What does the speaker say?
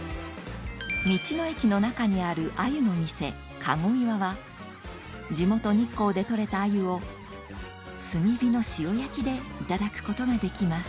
道の駅の中にある鮎の店篭岩は地元日光で取れた鮎を炭火の塩焼きでいただくことができます